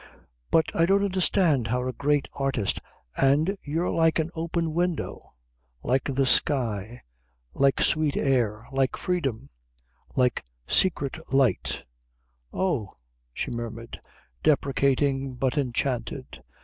"But I don't understand how a great artist " "And you're like an open window, like the sky, like sweet air, like freedom, like secret light " "Oh," she murmured, deprecating but enchanted.